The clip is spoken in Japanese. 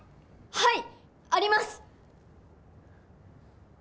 はいあります！